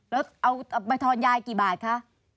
แล้วเอาไปทอนยายกี่บาทคะ